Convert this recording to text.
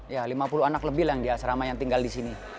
ya lima puluh anak lebih lah yang di asrama yang tinggal di sini